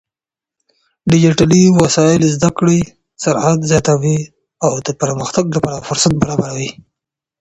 ډيجيټلي وسايل زده کړې سرعت زياتوي او د پرمختګ لپاره فرصت برابروي.